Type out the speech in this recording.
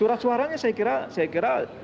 surat suaranya saya kira